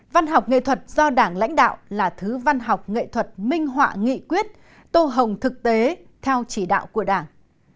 văn học nghệ thuật do đảng lãnh đạo là thứ văn học nghệ thuật minh họa nghị quyết tô hồng thực tế theo chỉ đạo của đảng